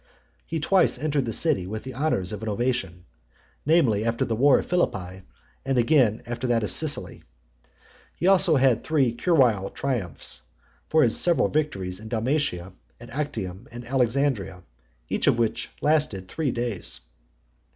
He twice entered the city with the honours of an Ovation , namely, after the war of Philippi, and again after that of Sicily. He had also three curule triumphs for his several victories in (86) Dalmatia, at Actium, and Alexandria; each of which lasted three days.